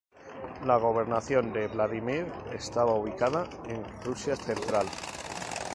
La gobernación de Vladímir estaba ubicada en Rusia central.